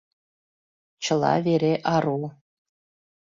Чыла вере ару.